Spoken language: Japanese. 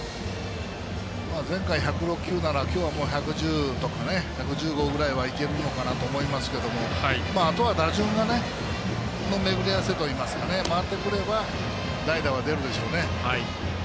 前回、１０６球なら今日は１１０とか１１５ぐらいはいけるのかなと思いますけどあとは打順の巡り合わせといいますか回ってくれば代打は出るでしょうね。